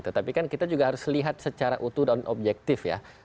tetapi kan kita juga harus lihat secara utuh dan objektif ya